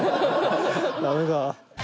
ダメか。